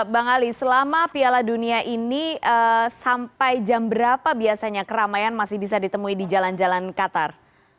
bang ali selama piala dunia ini sampai jam berapa biasanya keramaian masih bisa ditemui di jalan jalan qatar